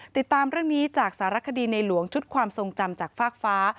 ติดตามเรื่องนี้จากสารคดีในหลวงชุดความทรงจำจากฟากฟ้า